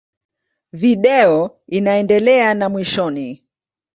Video inaendelea na mwishoni.